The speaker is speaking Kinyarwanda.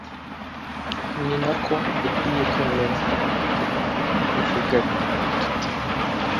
ni nako dukwiye kwema tuvuga tuti